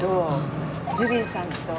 ジュリーさんと。